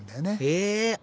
へえ。